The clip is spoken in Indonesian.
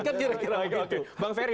kan kira kira begitu